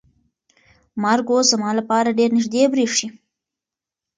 مرګ اوس زما لپاره ډېر نږدې برېښي.